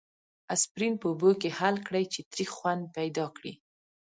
اسپرین په اوبو کې حل کړئ چې تریخ خوند پیدا کړي.